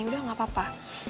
udah gak apa apa